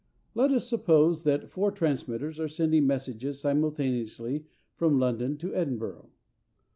Let us suppose that four transmitters are sending messages simultaneously from London to Edinburgh.